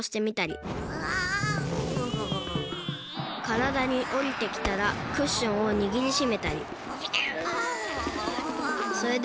からだにおりてきたらクッションをにぎりしめたりぎゅう。